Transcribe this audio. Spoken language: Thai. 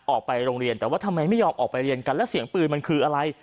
ออกไปโรงเรียนแต่ว่าทำไมไม่ยอมออกไปเรียนกันแล้วเสียงปืนมันคืออะไร